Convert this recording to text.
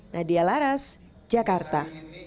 nadia laras jakarta